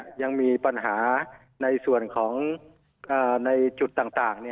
ยังมีปัญหาในส่วนของในจุดต่าง